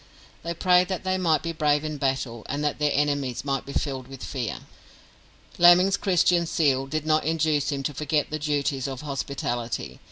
They prayed that they might be brave in battle, and that their enemies might be filled with fear. Laming's Christian zeal did not induce him to forget the duties of hospitality.